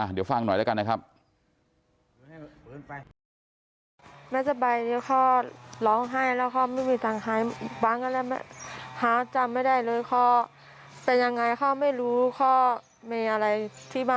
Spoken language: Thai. เดี๋ยวฟังหน่อยแล้วกันนะครับ